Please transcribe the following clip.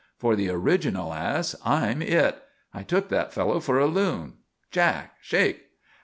For the original ass I'm it. I took that fellow for a loon. Jack, shake."